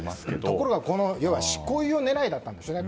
ところが執行猶予狙いだったんでしょうね。